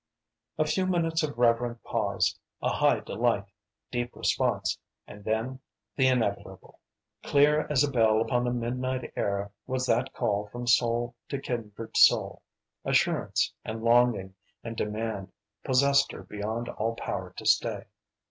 A few minutes of reverent pause, a high delight, deep response, and then the inevitable. Clear as a bell upon the midnight air was that call from soul to kindred soul. Assurance and longing and demand possessed her beyond all power to stay.